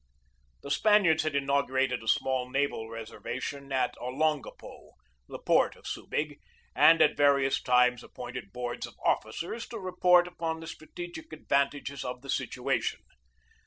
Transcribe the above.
The Spaniards had inaugurated a small naval reservation at Olongapo, the port of Subig, and at various times appointed boards of officers to report upon the strategic advantages of the situation.